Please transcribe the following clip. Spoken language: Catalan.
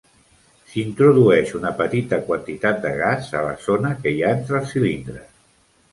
S'introdueix una petita quantitat de gas a la zona que hi ha entre els cilindres.